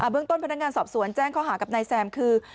เรื่องต้นพนักงานสอบสวนแจ้งข้อหากับนายแซมคือ